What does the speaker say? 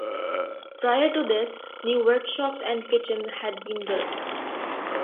Prior to this, new workshops and kitchens had been built.